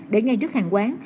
để ngay trước hàng quán